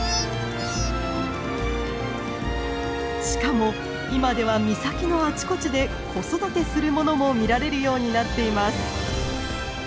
しかも今では岬のあちこちで子育てするものも見られるようになっています。